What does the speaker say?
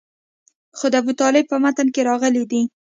خو د ابوطالب په متن کې راغلي دي.